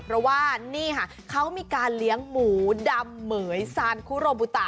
เพราะว่านี่ค่ะเขามีการเลี้ยงหมูดำเหม๋ยซานคุโรบุตะ